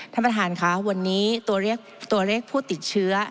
ท่านประธานค่ะวันนี้ตัวเลขผู้ติดเชื้อ